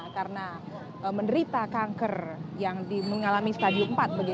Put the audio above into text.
karena menderita kanker yang mengalami stadium empat